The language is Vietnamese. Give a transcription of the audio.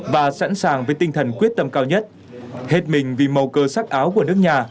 và sẵn sàng với tinh thần quyết tâm cao nhất hết mình vì màu cơ sắc áo của nước nhà